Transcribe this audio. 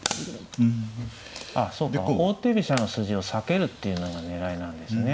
ああそうか王手飛車の筋を避けるっていうのが狙いなんですね。